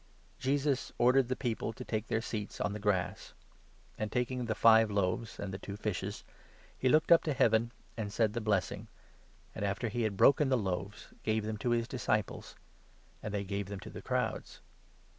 Jesus ordered the people to take their seats on the grass ; and, .taking the five loaves and the two fishes, he looked up to Heaven, and said the blessing, and, after he had broken the loaves, gave them to his disciples ; and they gave them to the crowds.